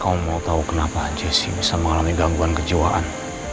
kamu mau tau kenapa jessy bisa mengalami gangguan kejiwaan